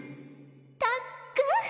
たっくん！